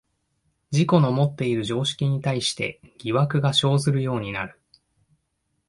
自己のもっている常識に対して疑惑が生ずるようになる。